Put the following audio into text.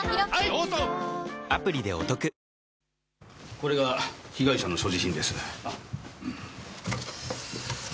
これが被害者の所持品です。